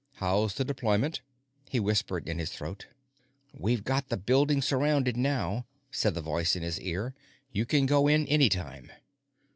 "How's the deployment?" he whispered in his throat. "We've got the building surrounded now," said the voice in his ear. "You can go in anytime."